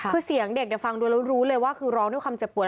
คือเสียงเด็กฟังดูแล้วรู้เลยว่าคือร้องด้วยความเจ็บปวด